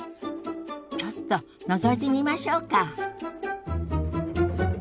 ちょっとのぞいてみましょうか。